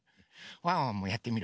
ワンワンもやってみる。